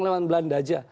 lawan belanda saja